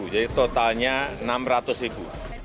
jadi totalnya rp enam ratus